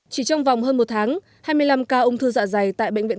chỉ trong vòng hơn một tháng hai mươi năm ca ung thư dạ dày tại bệnh viện